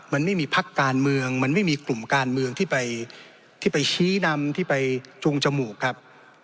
มันไม่มีพักการเมืองมันไม่มีกลุ่มการเมืองที่ไปที่ไปชี้นำที่ไปจูงจมูกครับ